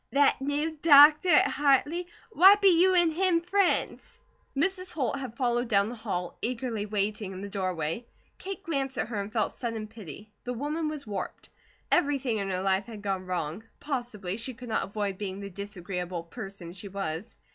"That new doctor at Hartley? Why, be you an' him friends?" Mrs. Holt had followed down the hall, eagerly waiting in the doorway. Kate glanced at her and felt sudden pity. The woman was warped. Everything in her life had gone wrong. Possibly she could not avoid being the disagreeable person she was.